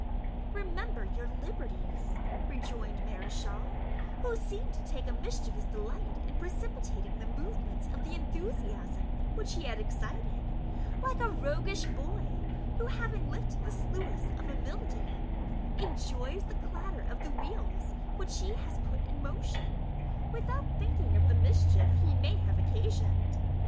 "Remember your liberties," rejoined Mareschal, who seemed to take a mischievous delight in precipitating the movements of the enthusiasm which he had excited, like a roguish boy, who, having lifted the sluice of a mill dam, enjoys the clatter of the wheels which he has put in motion, without thinking of the mischief he may have occasioned.